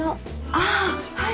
ああはい。